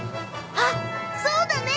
あっそうだね！